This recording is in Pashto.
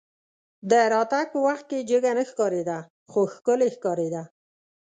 د راتګ په وخت کې جګه نه ښکارېده خو ښکلې ښکارېده.